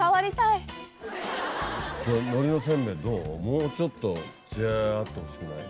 もうちょっとつやあってほしくない？